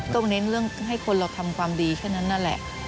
เน้นเรื่องให้คนเราทำความดีแค่นั้นนั่นแหละ